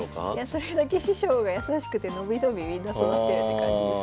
それだけ師匠が優しくて伸び伸びみんな育ってるって感じですかね。